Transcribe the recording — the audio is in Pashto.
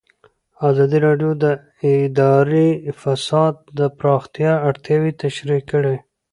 ازادي راډیو د اداري فساد د پراختیا اړتیاوې تشریح کړي.